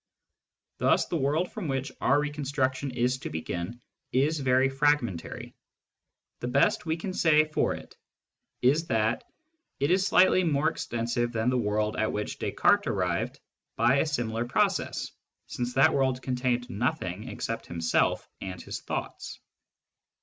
Thus the world from which our reconstruction is to begin is very fragmentary. The best we can say for it is that it is slightly more extensive than the world at Digitized by Google THE EXTERNAL WORLD 73 which Descartes arrived by a similar process, since that world contained nothing except himself and his thoughts.